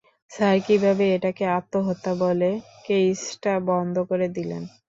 Sir, কীভাবে এটাকে আত্মহত্যা বলে কেইসটা বন্ধ করে দিলেন?